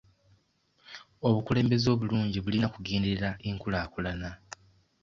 Obukulembeze obulungi bulina kugenderera enkulaakulana.